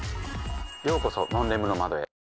ようこそノンレムの窓へ。